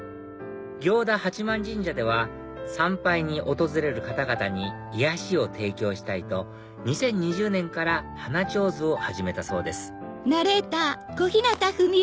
行田八幡神社では参拝に訪れる方々に癒やしを提供したいと２０２０年から花手水を始めたそうです